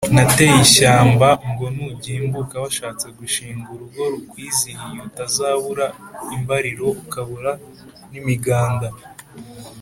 Nateye n’ishyambaNgo nugimbukaWashatse gushingaUrugo rukwizihiyeUtazabura imbariroUkabura n’imiganda